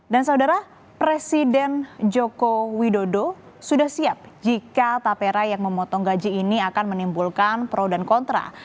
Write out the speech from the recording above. dan saudara presiden joko widodo sudah siap jika tapera yang memotong gaji ini akan menimbulkan pro dan kontra